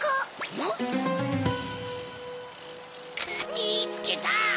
みつけた！